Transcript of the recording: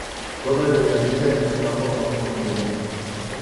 Dle președinte, acest raport m-a pus în dilemă.